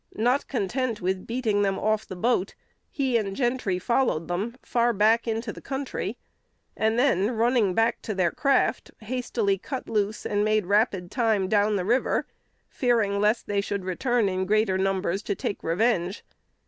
Not content with beating them off the boat, he and Gentry followed them far back into the country, and then, running back to their craft, hastily cut loose and made rapid time down the river, fearing lest they should return in greater numbers to take revenge.